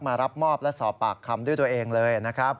มารับมอบและสอบปากคำด้วยตัวเองเลยนะครับ